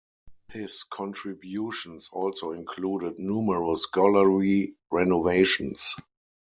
His contributions also included numerous gallery renovations.